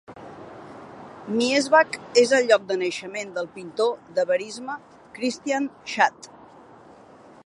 Miesbach és el lloc de naixement del pintor de verisme Christian Schad.